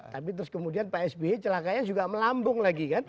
tapi terus kemudian pak sby celakanya juga melambung lagi kan